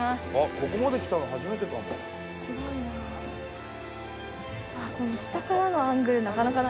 ここまで来たの初めてかも。